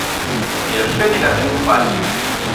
Яшчэ не ляглі спаць.